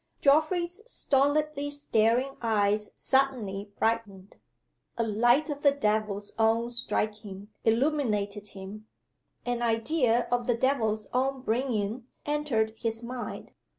(Geoffrey's stolidly staring eyes suddenly brightened. A light of the devil's own striking illuminated him. An idea of the devil's own bringing entered his mind.